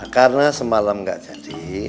karena semalam gak jadi